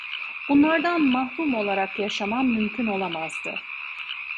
Bunlardan mahrum olarak yaşamam mümkün olamazdı.